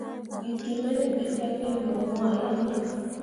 We ge me ne biɗǝkke mor rwah yan be.